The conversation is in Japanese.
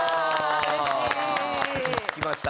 きました！